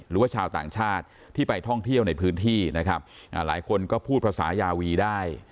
หรือว่าชาวต่างชาติที่ไปท่องเที่ยวในพื้นที่นะครับอ่าหลายคนก็พูดภาษายาวีได้